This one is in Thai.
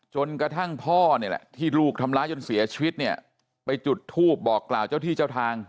จนกระทั่งพ่อเนี่ยแหละที่ลูกทำร้ายจนเสียชีวิตเนี่ยไปจุดทูปบอกกล่าวเจ้าที่เจ้าทาง